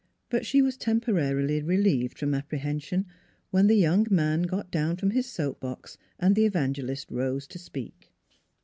But she was temporarily relieved from apprehension when the loud young man got down from his soap box and the evangelist rose to speak.